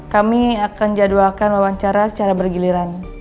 kami akan jadwalkan wawancara secara bergiliran